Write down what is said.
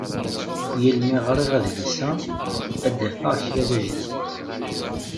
Yal mi ɣriɣ adlis-a, ad d-afeɣ kra d ajdid.